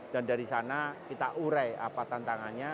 dan dari sana kita urai apa tantangannya